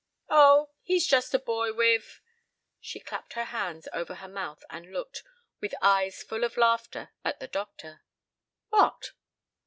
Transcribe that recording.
"Oh, he's just a boy with " she clapped her hands over her mouth, and looked, with eyes full of laughter, at the doctor. "What?"